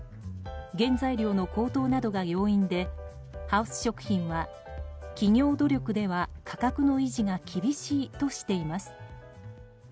原材料の高騰などが要因でハウス食品は企業努力では価格の維持が厳しいとしています。